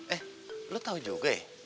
eh lo tau juga ya